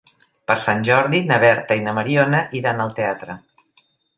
Per Sant Jordi na Berta i na Mariona iran al teatre.